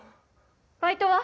バイトは？